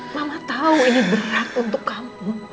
mama tahu ini berat untuk kamu